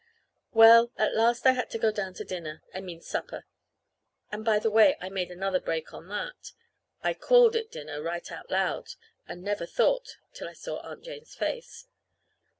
Well, at last I had to go down to dinner I mean supper and, by the way, I made another break on that. I called it dinner right out loud, and never thought till I saw Aunt Jane's face.